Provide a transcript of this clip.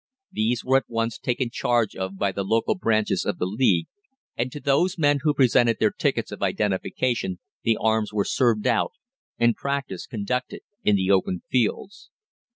These were at once taken charge of by the local branches of the League, and to those men who presented their tickets of identification the arms were served out, and practice conducted in the open fields.